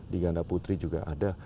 di ganda putri juga ada